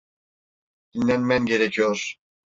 Dinlenmen gerekiyor.